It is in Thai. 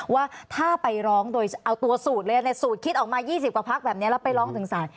ว่าถ้าไปร้องโดยเอาตัวสูตรเลยในสูตรคิดออกมา๒๐กว่าพักแบบนี้แล้วไปร้องถึงศาล